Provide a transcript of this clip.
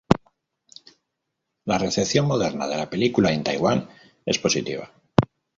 La recepción moderna de la película en Taiwán es positiva.